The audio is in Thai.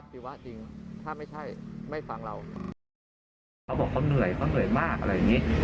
เขาบอกเขาเหนื่อยเขาเหนื่อยมากอะไรอย่างนี้